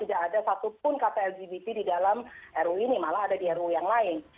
dia sudah jawab tidak ada satupun kata lgbt di dalam ru ini malah ada di ru yang lain